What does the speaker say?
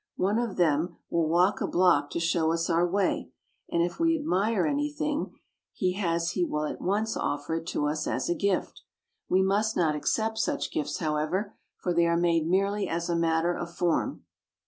One of them will walk a block to show us our way, and if we admire anything he LIMA. 65 has he will at once offer it to us as a gift. We must not accept such gifts, however, for they are made merely as a matter of form.